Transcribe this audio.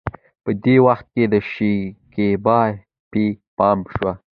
په دې وخت کې د شکيبا پې پام شو.